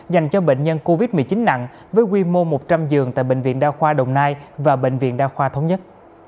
dành cho bệnh nhân covid một mươi chín nặng với quy mô một trăm linh giường tại bệnh viện đa khoa đồng nai và bệnh viện đa khoa thống nhất